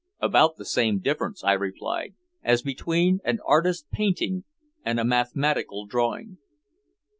"About the same difference," I replied, "as between an artist's painting and a mathematical drawing."